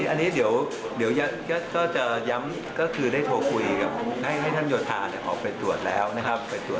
อันนี้เดี๋ยวจะย้ำคือได้โทรคุยให้ท่านจทาไปถูกต้นแล้ว